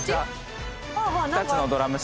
２つのドラム式。